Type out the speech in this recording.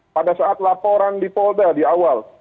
pada saat laporan di polda di awal